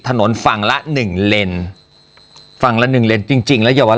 ถนนฝั่งละ๑เหรนธุ์ฝั่งละ๑เหรนธุ์จริงแล้วยาวาระ